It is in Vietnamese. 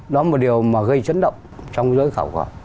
đó là một điều mà gây chấn động trong giới khẩu của họ